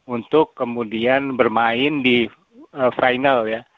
untuk kemudian bermain di final ya